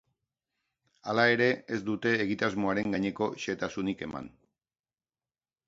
Hala ere, ez dute egitasmoaren gaineko xehetasunik eman.